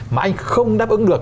mà anh không đáp ứng được